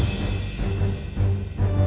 aku mau kemana